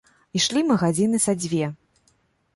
Ішлі мы гадзіны са дзве.